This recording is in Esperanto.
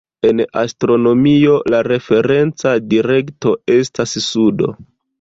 En astronomio, la referenca direkto estas sudo.